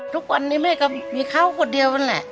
ทุกวันนี้แม่ก็มีเขาคนเดียวนั่นแหละ